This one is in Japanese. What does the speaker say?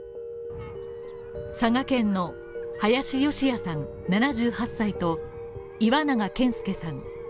佐賀県の林善也さん７８歳と岩永健介さん